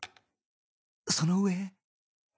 その上